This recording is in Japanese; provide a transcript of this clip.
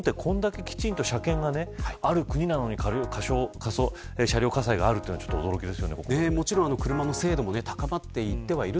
ただ日本って、これだけきちんと車検がある国なのに車両火災があるというのは驚きです。